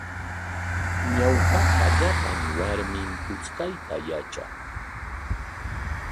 Ñawpaqa llapan warmim puchkayta yatraq.